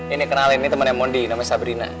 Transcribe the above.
ini kenalin ini temannya mondi namanya sabrina